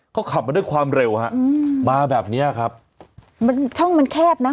เขาขับมาด้วยความเร็วฮะอืมมาแบบเนี้ยครับมันช่องมันแคบนะ